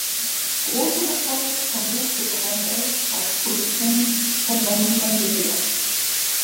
Großen Erfolg verbuchte Brandes als Produzent von Vanilla Ninja.